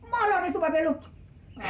malon itu babelu